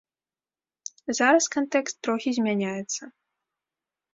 Зараз кантэкст трохі змяняецца.